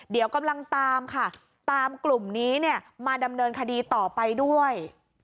เดี๋ยวกำลังตามค่ะตามกลุ่มนี้เนี่ยมาดำเนินคดีต่อไปด้วย